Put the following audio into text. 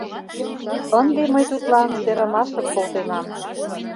Ынде мый тудлан серымашым колтенам.